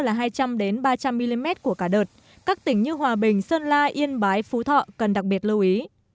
là hai trăm linh ba trăm linh mm của cả đợt các tỉnh như hòa bình sơn la yên bái phú thọ cần đặc biệt lưu ý